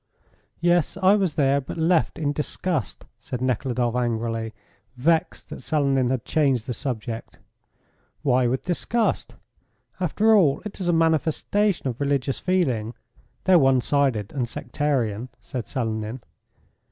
"Yes, I was there, but left in disgust," said Nekhludoff angrily, vexed that Selenin had changed the subject. "Why with disgust? After all, it is a manifestation of religious feeling, though one sided and sectarian," said Selenin.